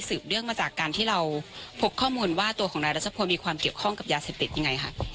เนื่องมาจากการที่เราพบข้อมูลว่าตัวของนายรัชพลมีความเกี่ยวข้องกับยาเสพติดยังไงค่ะ